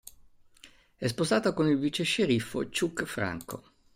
È sposata con il vicesceriffo Chuck Franco.